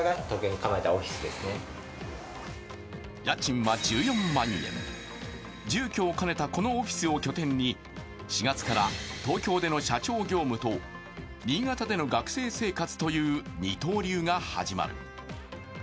家賃は１４万円、住居を兼ねたこのオフィスを拠点に４月から東京での社長業務と新潟での学生生活という二刀流が始まる。